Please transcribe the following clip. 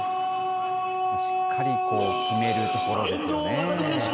しっかり決めるところですよね。